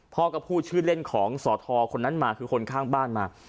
พ่อก็พูดชื่อเล่นของสอทอคนนั้นมาคือคนข้างบ้านมา